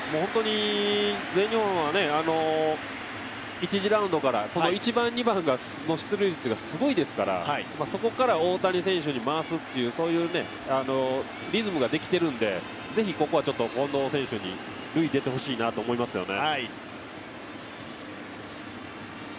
全日本は１次ラウンドから、１番、２番の出塁率がすごいですから、そこから大谷選手に回すっていうそういうリズムができているんで、ぜひここは近藤選手に塁に出てほしいなと思いますよね。